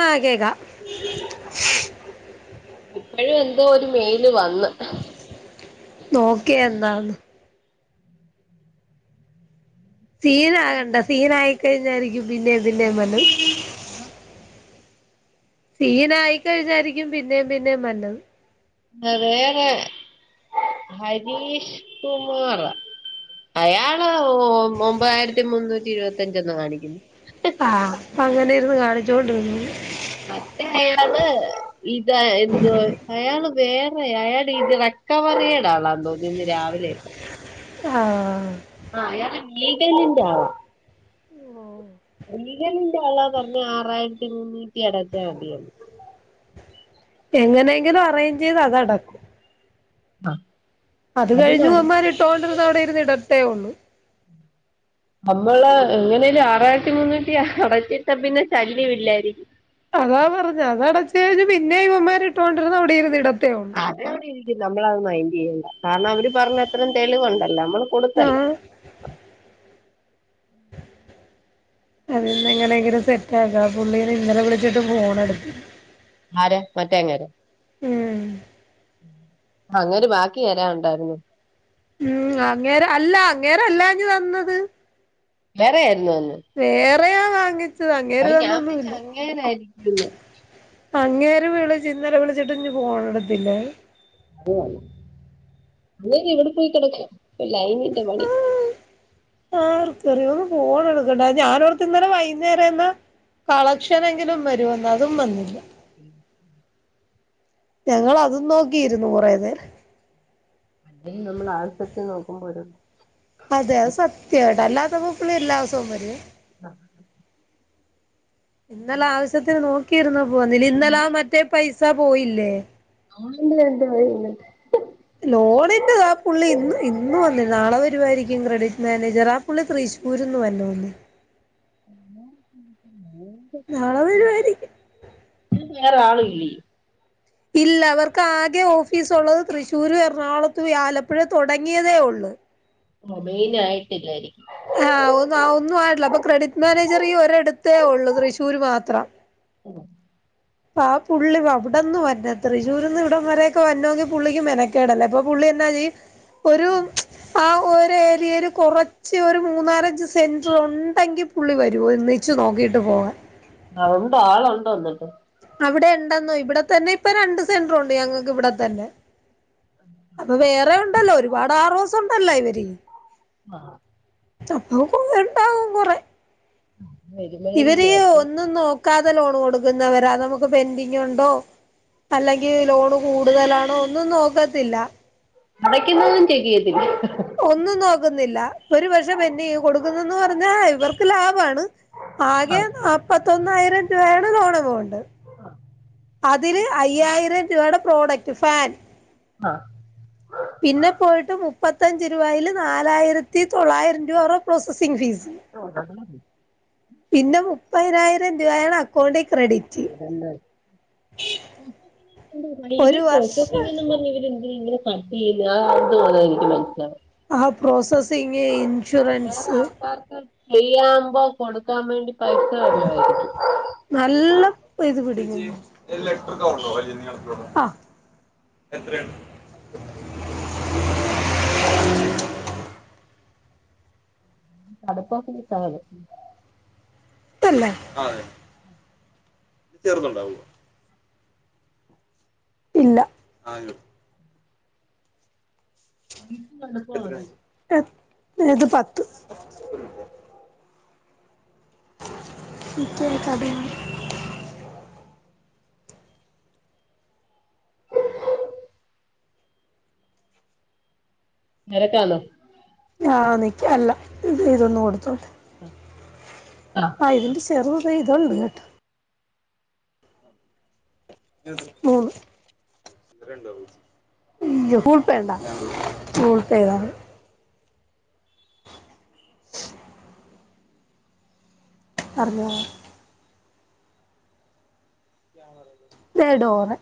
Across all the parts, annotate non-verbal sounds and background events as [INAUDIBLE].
ആ കേക്കാം ഇപ്പളെ എന്തോ ഒരു മെയില് വന്ന് നോക്കിയെന്താന്ന്? സീൻ ആകണ്ട സീൻ ആയിക്കഴിഞ്ഞായിരിക്കും പിന്നെ ഇതിന്റെ വന്ന സീൻ ആയിക്കഴിഞ്ഞാരിക്കും പിന്നേം പിന്നേം നല്ലത് വേറെ ഹരീഷ് കുമാർ [INAUDIBLE] അയാള് ഒമ്പതായിരത്തി മുന്നൂറ്റി ഇരുപത്തിയഞ്ചന്ന് കാണിക്കുന്നു ആഹ് അപ്പം അങ്ങനെ ഇരുന്നു കാണിച്ചുകൊണ്ടിന്ന മറ്റേ അയാള് ഇതാ എന്തോ അയാള് വേ അയാൾ ഇത് വട്ടവടെലാ ആളാ തോന്നുന്നു ഇന്ന് രാവിലെ ആഹ് ആഹ് അയാള് ലീഗലിന്റെ ആള. ലീഗലിന്റെ ആളാ പറഞ്ഞെ ആറായിരത്തി മുന്നൂറ്റി അടച്ചാ മതിയെന്ന് എങ്ങനെങ്കിലും അറേഞ്ച് ചെയ്ത് അതടക്കും ആഹ് അത് കഴിഞ്ഞിവമ്മാര് ഇട്ടോണ്ടിരുന്നാ അവിടിരുന്ന് ഇടത്തേ ഉള്ളൂ. നമ്മള് എങ്ങനെലും ആറായിരത്തി മുന്നൂറ്റി അടച്ചിട്ടാപ്പിന്നെ ശല്യവില്ലായിരിക്കും. അതാ പറഞ്ഞെ അതടച്ച് കഴിഞ്ഞ് പിന്നേം ഇവമ്മാരിട്ടോണ്ടിരുന്ന അവിടെ ഇരുന്ന് ഇടത്തേഉള്ളു അതവിടെയിരിക്കും നമ്മളത് മൈൻന്റെയ്യണ്ട കാരണം അവര് പറഞ്ഞത്രേം തെളിവുണ്ടല്ലോ നമ്മള് കൊടുത്തല്ല ആഹ് അതിൽന്ന് എങ്ങനെങ്കിലും സെറ്റ് ആക്കണം പുള്ളിനെ ഇന്നലെ വിളിച്ചിട്ട് ഫോണ് എടു ആരെ മറ്റേങ്ങേരെ? ഉം അങ്ങേര് ബാക്കിയെരാണ്ടായിരുന്നു. ഉം അങ്ങേര് അല്ല അങ്ങേരല്ലാഞ്ഞ് തന്നത് വേറെ ആയിരുന്നുവെന്ന് വേറെയാ വാങ്ങി അയ ഞാൻ വയ്ച്ച് അങ്ങേരായിരിക്കുംന്ന് അങ്ങേര് വിളിചിന്നലെ വിളിച്ചിട്ട് ഞ്ഞും ഫോണെടുത്തില്ല. ആ ഹ്എല്ലാരും എവിടെ പോയി കിടക്കാ ലൈനിന്റെ ആർക്കറിയോള് ഫോൺ എടുക്കണ്ടാ ഞാനോർത്ത് ഇന്നലെ വൈന്നേരാന്ന് കളക്ഷനെങ്കിലും വരുവെന്ന് അതും വന്നില്ല. [INAUDIBLE] ഞങ്ങൾ അതും നോക്കിയിരുന്നു കൊറെ നേരം ഇനി നമ്മൾ ആൾസജ്ജം നോക്കുമ്പോ അതെ അത് സത്യാട്ടാ അല്ലാത്തപ്പം പുള്ളി [UNINTELLIGIBLE] ആഹ് ഇന്നലെ ആവശ്യത്തിന് നോക്കിയിരുന്ന പോ ഇന്നലാ മറ്റേ പൈസ പോയില്ലേ ആഹ് എന്തവെയില്ലേ ലോണിൻന്റെതാപ്പുള്ളി ഇന്ന് ഇന്ന് വന്ന്ല്ല നാളെ വരുവായിരിക്കും ക്രെഡിറ്റ് മാനേജറാ പുള്ളി തൃശൂരിന്ന് വരുന്ന പുള്ളിയാ [UNINTELLIGIBLE] നാളെ വരുവായിരിക്കും. വേറെ ആളും ഇല്ലെയ് ഇല്ല അവർക്ക് ആകെ ഓഫീസ് ഒള്ളത് തൃശ്ശൂരും എറണാകുളത്തും ഇ ആലപ്പുഴെ തുടങ്ങിയതേ ഒള്ളു. മൊബൈൽ ആയിട്ടില്ലായിരിക്കും. ആഹ് ഒ ഒന്നും ആയിട്ടില്ല അപ്പൊ ക്രെഡിറ്റ് മാനേജർ ഇ ഒരിടത്തേ ഒള്ളൂ തൃശ്ശൂര് മാത്രം. ഉം ആഹ് പുള്ളി വാ അവിടന്ന് വരണത്രെ തൃശ്ശൂരിന്ന് ഇവിടം വരൊക്കെ വരണൊങ്കി പുള്ളിക്ക് മെനക്കേടല്ലേ അപ്പൊ പുള്ളി എന്നാ ചെയ്യും. [INAUDIBLE] ഒരു ആ ഒരു ഏരയേല് കൊറ ച്ചെ ഒരു മൂന്നാലഞ്ച് സെന്റർ ഉണ്ടെങ്കിൽ പുള്ളി വരുവോ ഒന്നിച്ച് നോക്കിട്ട് പോവാൻ ആഹ് ഉണ്ടോ ആള ഉണ്ടോ എന് അവിടെ ഇണ്ടെന്നു ഇവിടെത്തന്നെ ഇപ്പൊ രണ്ട് സെന്റർ ഉണ്ട് ഞങ്ങക്ക് ഇവിടെത്തന്നെ അപ്പൊ വേറെ ഉണ്ടല്ലോ ഒരുപാട് ആറോസം ഉണ്ടല്ലോ ഇവര് ആഹ് ചപ്പം കൊറെണ്ടാവും കൊറെ [UNINTELLIGIBLE] ഇവര് ഒന്നും നോക്കാതെ ലോൺ കൊടുക്കുന്നവരാ നമുക്ക് പെന്റിങ്ങുണ്ടോ അല്ലെങ്കി ലോഡ് കൂടുതലാണോ ഒന്നും നോക്കത്തില്ല അടയ്ക്കുന്നതും ചെയ്യത്തില്ലെ ഒന്നും നോക്കുന്നില്ല ഒരു പക്ഷം പെന്റയ്യും കൊടുക്കുന്നുന്ന് പറഞ്ഞാ ഇവർക്ക് ലാഭാണ് ആകെനാപ്പത്തൊന്നായിരം രൂപയാണ് ലോണ് പോണ്ടത് അതില് അയ്യായിരം രൂപയുടെ പ്രോഡക്റ്റ് ഫാൻ ആഹ് പിന്നെ പോയിട്ട് മുപ്പത്തഞ്ച് രൂപായിൽ നാലായിരത്തി തൊള്ളായിരം രൂപ അവര്ടെ പ്രോസസിംഗ് ഫീസ് [UNINTELLIGIBLE] പിന്നെ മുപ്പനായിരം രൂപയാണ് അക്കൗണ്ടിൽ ക്രെഡിറ്റ്. ഇതന്തഹ് ഇവര് ഒരു വർഷം പ്രോസസിങ് ന്നുള്ളത് നിലവിലെന്തിനിങ്ങനെ കത്തയ്യ്ത ഇതങ്ങനെ നിക്ക് മനസ്സിലാവാത്തത് ആ പ്രോസസിങേ ഇൻ വേറെ ആൾക്കാർക്ക് ഫ്രയാവുമ്പോ കൊടുക്കാൻ വേണ്ടി പൈസ വല്ലോ ആയിരിക്കും നല്ല ഇത് പിടി എത്രയാണ് അത്പ്പോ പൂച്ചക്കൾ ഇതല്ലേ ആ അതെ ഇത്ചേർന്നുണ്ടാവോ ഇല്ല കടുപ്പമാണ് എത്രയിഇത് പത്ത് ഇക്കയ് കഥ ഇല്ല തിരക്കാണോ ആ നിക്ക അല്ല ഇത് ഇതൊന്നും കൊടുത്തോക് ഹ ആ ഇതിന്റയ് ഇതേളു കേട്ടോ ഹൂൽപ്പേണ്ടാ ഹുൾപ്പേ ചൈതാമതി ച്ച് ഹ് പർഞ്ഞോ.. പെ ഡോറ്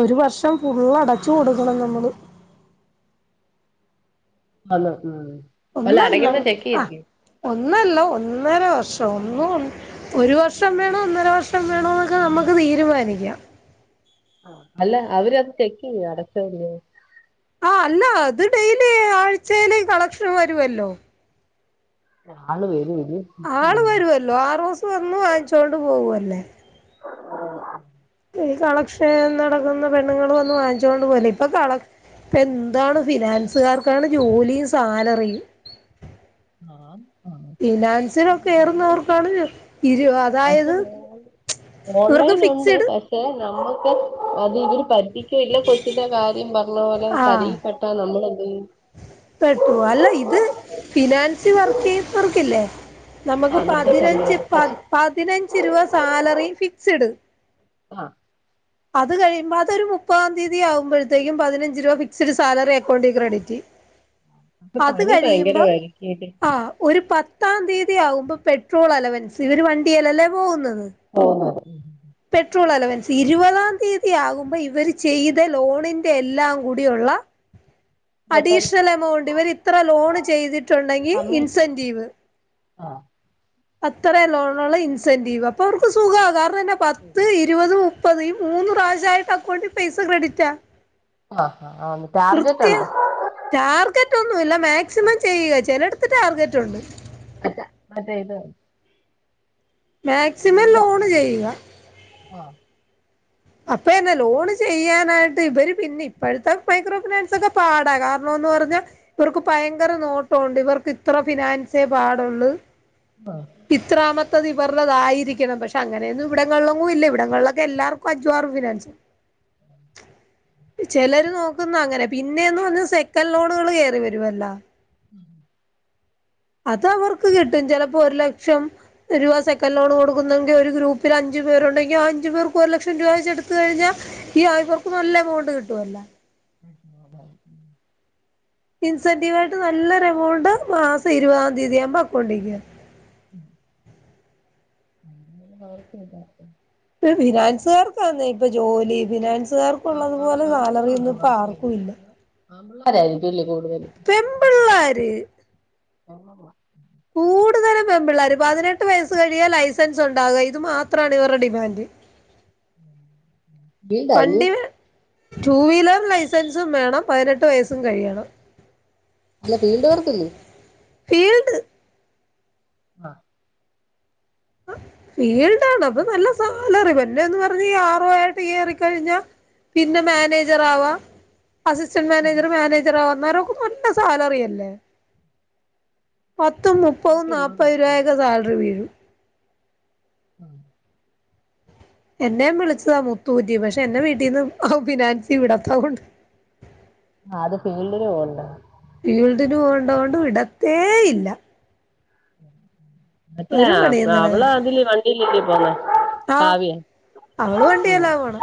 ഒരു വർഷം ഫുള്ള് അടച്ചു കൊടുക്കണം നമ്മള്. ആന്ന് ഉം അല്ല ഒന്നല്ല അടകിന്ന ചെകെയ് ആഹ് തക്ക് ഒന്നല്ല ഒന്നര വർഷം ഒന്നു ഒരു വർഷം വേണോ ഒന്നര വർഷം വേണോ എന്നൊക്കെ നമക്ക് തീരുമാനികാം ആ അല്ല അവരത് ചെകയ്ത് അടച്ചത് ആ അല്ല അത് ഡെയിലി ആഴ്ചയില കളക്ഷൻ വരുവല്ലോ. ആള് വരോ ഇനി ആള് ഉം വരുവല്ലോ ആറ്ു സം വന്ന് വാങ്ങിച്ചോണ്ട് പോവല്ലേ ആഹ് ഈ കളക്ഷൻ നടക്കുന്ന പെണ്ണുള് വന്ന് വാങ്ങിച്ച കൊണ്ട് വല്ലെ ഇപ്പൊ കള ഇപ്പെന്താണ് ഫിനാൻസുകാർക്കാണ് ജോലിയും സാലറിയും ആഹ് ഫിനാൻസിലൊക്കെ എയറുന്നവർക്കാണ് ഇരുവ തായത് ഓൺലൈൻലുണ്ട്. പക്ഷെ നമ്മക്ക് അത് ഇവര് പരി ഈ ക്കില്ല കൊച്ചിന്റെ കാര്യം പറഞ്ഞ പോലെ തലയിൽ പ്പെട്ടാ നമ്മള എന്തയ്യു ചെയ്യും പെട്ടു പോവാ ഇത് ഫിനാൻസ് വർക്ക് ചെയുന്നവർകൽലേ നമക്ക് ആ നട്ടിട്ടുണ്ട് പതിനഞ്ച് പക്ഷെ പപതിനഞ്ച് രൂപ സാലറി ഫിക്സ്ഡ് ആ അത് കഴിയുമ്പോ അതൊരു മുപ്പതാം തീയതി ആകുമ്പോഴത്തേക്കും പതിനഞ്ച് രൂപ ഫിക്സ്ഡ് സാലറി അക്കൗണ്ടി ക്രെഡിറ്റെയ്യും അപ്പ പണി ഭയങ്കരവരിക്കട് ആഹ് ഒരു പത്താം തീയതി ആകുമ്പോ പെട്രോൾ അലവൻസ് ഇവർ വണ്ടില് അല്ലേ പോവുന്നത്. ഓഹ്. പെട്രോൾ അലവൻസ് ഇരുപതാം തീയതി ആകുമ്പോ ഇവര് ചെയ്ത ലോണിന്റെ എല്ലാം കൂടിയുള്ള ടോട്ടൽ അഡീഷണൽ എമൗണ്ട് ഇവർ ഇത്ര ലോൺ ചെയ്തിട്ടുണ്ടെങ്കിൽ ഇൻസെന്റീവ് ആഹ് അത്ര ലോൺലുള്ള ഇൻസെന്റീവ് അപ്പൊ അവർക്ക് സുഖാ കാരണം എന്നാ പത്ത് ഇരുവത് മു ഇപ്പതേ മൂന്ന് പ്രാവശ്യായിട്ട് അക്കൗണ്ടിൽ പൈസ ക്രെഡിറ്റാ ആഹ് ആഹ് [UNINTELLIGIBLE] ടാർജറ്റ് ഒണ്ടോ ടാർഗറ്റൊന്നുല്ല മാക്സിമം ചെയ്യുക ചെലട്ത്ത് ടാർഗറ്റുണ്ട് അല്ല അതെ ഇതോ.? മാക്സിമം ലോണ് ചെയ്യുക ആഹ് അപ്പ എന്നെ ലോണ് ചെയ്യാനായി ഇവര് പിന്നെ ഇപ്പോഴത്തെ മൈക്രോ ഫിനാൻസ് ഒക്കെ പാടാ കാരണംന്ന് പറഞ്ഞാ ഇവർക്ക് പയങ്കര നോട്ടുണ്ട് ഇവർക്ക് ഇത്ര ഫിനാൻസേ പാടുള്ളു ആഹ് ഇത്രാമത്തത് ഇവരുള്ളതയിരിക്കണം പക്ഷെ അങ്ങനെയൊന്നും ഇവിങ്ങളിലൊന്നും ഇല്ല ഇവിടങ്ങളിലൊക്കെ എല്ലാവർക്കും അഞ്ചു ആറും ഫിനാൻസ് [INAUDIBLE] ചെലര് നോക്കുന്ന അങ്ങനെ പിന്നെന്ന് പറഞ്ഞ സെക്കൻ ലോണുകൾ കേയറി വരുമല്ലോ ഉം അത് അവർക്ക് കിട്ടും ചെലപ്പോ ഒരു ലക്ഷം ഒരു രൂപ സെക്കൻഡ് ലോണ് കൊടുക്കുന്നെങ്കിൽ ഒരു ഗ്രൂപ്പില് അഞ്ച് പേരുണ്ടെങ്കിൽ ആ അഞ്ച് പേർക്ക് ഒരു ലക്ഷം രൂപ വെച്ച് എടുത്ത് കഴിഞ്ഞാ ഈ ആയ്പർക്ക് നല്ല എമൗണ്ട് കിട്ടു അല്ല [UNINTELLIGIBLE] ഇൻസെന്റീവായിട്ട് നല്ലൊരു എമൗണ്ട് മാസം ഇരുപതാം തീയതി ആവുമ്പോ അക്കൗണ്ടി കേറും [UNINTELLIGIBLE] ഫിനാൻസുകാർക്കാന്നെ ഇപ്പൊ ജോലി ഫിനാൻസുകാർ പ്പ ആ ഉള്ളതു പോലെ ആ സാലറിയൊന്നും ഇപ്പ ആർക്കും ഇല്ല. ആൺപിള്ളേരായിരിക്കും ഇല്ലേ കൂടുതല് പെൺപിള്ളേര് [INAUDIBLE] കൂടുതലു പെൺ പിള്ളേർ പതിനെട്ട് വയസ്സ് കഴിഞ്ഞാൽ ലൈസൻസ് ഉണ്ടാകുക ഇത് മാത്രാണ് ഇവരുടെ ഡിമാൻഡ് ഫീൽഡാ അല്ലയോ വണ്ടി ടു വീലർ ലൈസൻസും വേണം പതിനെട്ട് വയസ്സും കഴിയണം. അല്ല ഫീൽഡ് വർക്കല്ലേ? ഫീൽഡ് ആ ഫീൽഡാണ് അപ്പം നല്ല സാലറി വല്ലന്ന് പറഞ്ഞ് ആറു ആയിട്ട് കയറി കഴിഞ്ഞാ പിന്നെ മാനേജർ ആവാം അസിസ്റ്റന്റ് മാനേജറ് മാനേജർ അന്നേരൊക്കെ നല്ല സാലറി അല്ലേ. പത്തും മുപ്പതും സീറ്റ് ഉണ്ടോന്ന് നാപ്പത് രൂപയൊക്കെ അറിയില്ല സാൽറി വീഴും ആ എന്നേം വിളിച്ചതാ മുത്തൂറ്റിന്ന് പക്ഷെ എന്റെ വീട്ടീന്ന് ഫിനാൻസി വിടത്താ കൊണ്ട് ആ അത് ഫീൽഡില് പോകണ്ട ഫീൽഡിന് പോകടോണ്ട് വിടത്തേയില്ല അട്ടെ ഒരു ആ അപ്പം പണിയും അവള് നടക്കത്തില്ല അതില് വണ്ടിയിൽ ഇല്ലേ പോക ആഹ് കാവ്യ അവള് ഉം വണ്ടില്ലാ പോണ,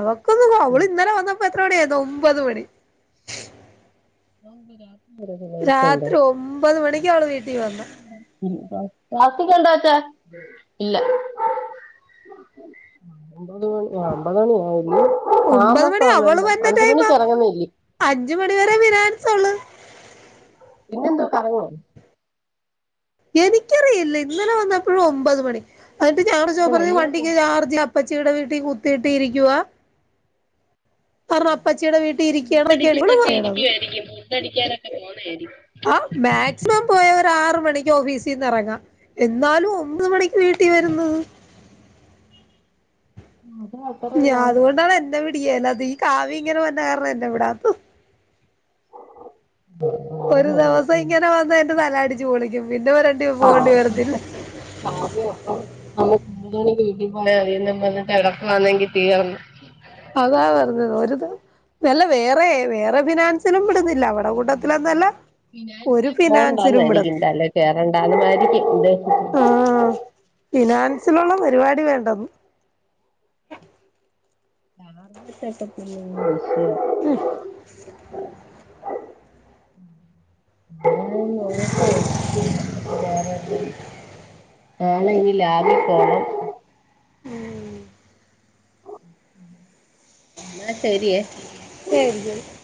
അവൾക്കൊന്ന് ആ അവള് ഇന്നലെ വന്നപ്പോ എത്ര മണിയായെന്നോ, ഒമ്പത് മണി. [UNINTELLIGIBLE] രാത്രി ഒമ്പത് മണിക്ക് അവള് വീട്ടിൽ വന്ന് [UNINTELLIGIBLE] ഇല്ല അമ്പത് മണി അമ്പത് മണിയ ആയില്ല ഒമ്പത് താമസം പറന്നല്ല അഞ്ച മണിക്ക് ഇറങ്ങുന്നേല്ലേ അഞ്ചു മണിവ വരെ ഫിനൻസ് ഉള്ളു പിന്നെന്താ കറങ്ങുവോ എനിക്കറിയില്ല ഇന്നലെ വന്നപ്പോഴും ഒമ്പത് മണി എന്നിട്ട് ഞാൻ അല്ല ചോദിച്ചപ്പോ പറഞ്ഞ വെളിയിൽ ഫുഡ് വണ്ടിക്ക് ചർജ അപ്പച്ചീടെ വീട്ടിൽ കുത്തിയിട്ട് ഇരിക്കുക അപ്പച്ചിയുടെ വീട്ടിൽ [UNINTELLIGIBLE] ഇരിക്കുകയാണൊക്കെയാണ് ഇവള് പറയണത് ഇരിക്കുവായിരിക്കും [UNINTELLIGIBLE] പോണായിരിക്കും ആ മാക്സിമം പോയാ ഒരാറു മണിക്ക് ഓഫീസിൽന്ന് ഇറങ്ങാം എന്നാലും ഒമ്പത് മണിക്ക് വീട്ടിൽ വരുന്നത് ആ ഞാൻ അതുകൊണ്ടാണ് എന്നെ വിടിയില്ല അത് ഈ കാവി ഇങ്ങനെ വന്ന കാരണം എന്നെ വിടാത്തത് ഒരു ദിവസം ഇങ്ങനെ വന്ന എന്റെ തല അടിച്ച് പൊളിക്കും പിന്നെ ഒരെടം പോകേണ്ടി വരത്തില്ല മ്മണ വീട്ടിൽ പോയാ അ നമ്മ വന്ന് [UNINTELLIGIBLE] ഉ [INAUDIBLE] അതാ പറഞ്ഞ ഒരുത് നല്ല വേറെ വേറെ ഫിനാൻസിലും വിടുന്നില്ല അവിടെ കൂട്ടത്തിലന്നല്ല ഫിനാന്സില് പോവണ്ടന്നായിരിക്കുംന്തല്ലേ കേറണ്ടാന് ആരിക്കും ഉദേശം ആഹ് ഫിനാൻസിലുള്ള പരിപാടി വേണ്ടെന്ന് സാർഗത്തൊക്കെ പിന്നെ വി [INAUDIBLE] [INAUDIBLE] [INAUDIBLE] [UNINTELLIGIBLE] നാളെ ഇനി ലാബി പോണം മ് എന്നാ ശരിയേ ശരിത [UNINTELLIGIBLE]